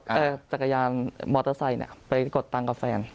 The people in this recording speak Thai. แต่จักรยานมอเตอร์ไซค์ไปกดตังค์กับแฟน